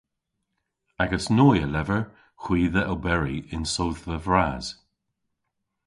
Agas noy a lever hwi dhe oberi yn sodhva vras.